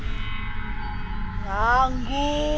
ada yang ganggu